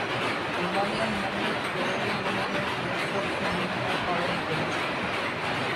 Romanian মহিলারা royal Romanian air ফোর্সে ভূমিকা পালন করেছিল।